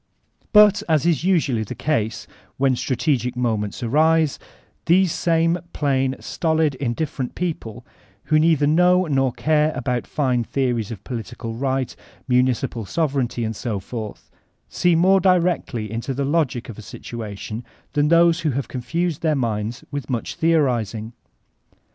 But, as is usually the case when strategic moments arise, these same plain, stolid, indifferent people, who neither know nor care about fine theories of political right, municipal sovereignty , and so forth, see more direct* ly failo the logic of a situation than those who have con* fused their minds with much theorizing.